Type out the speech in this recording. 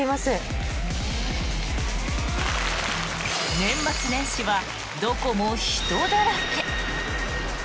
年末年始はどこも人だらけ。